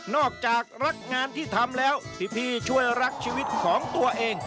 จากรักงานที่ทำแล้วที่พี่ช่วยรักชีวิตของตัวเอง